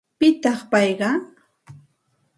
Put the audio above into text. ¿Pitaq payqa?